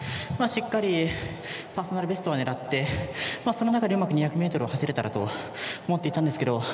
しっかりパーソナルベストを狙ってその中でうまく２００ｍを走れたらと思っていたんですけど